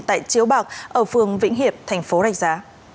tại chiếu bạc ở phường vĩnh hiệp tp rạch giá